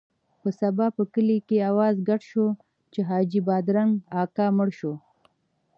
په سبا په کلي کې اوازه ګډه شوه چې حاجي بادرنګ اکا مړ شو.